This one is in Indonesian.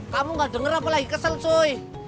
kamu ga denger apa lagi kesel soe